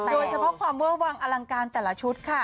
โดยเฉพาะความเวอร์วังอลังการแต่ละชุดค่ะ